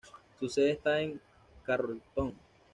Su sede está en Carrollton.